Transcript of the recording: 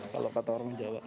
kalau kata orang jawa